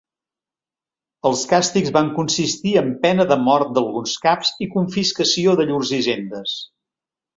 Els càstigs van consistir en pena de mort d'alguns caps i confiscació de llurs hisendes.